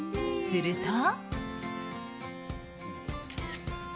すると。